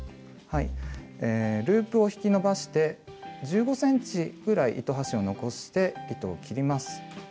ループを引き伸ばして１５ｃｍぐらい糸端を残して糸を切ります。